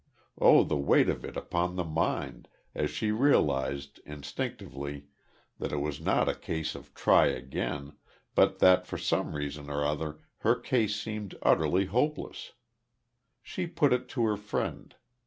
Oh, the weight of it upon the mind, as she realised, instinctively, that it was not a case of try again, but that for some reason or other her case seemed utterly hopeless. She put it to her friend.